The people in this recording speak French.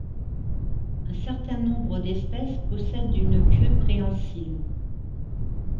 Un certain nombre d'espèces possèdent une queue préhensile.